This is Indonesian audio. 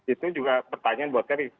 itu juga pertanyaan buat kami